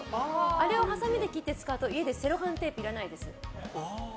あれをはさみで切って使うと家でセロハンテープいらないです。